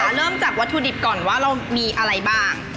เริ่มจากวัตถุดิบก่อนว่าเรามีอะไรบ้าง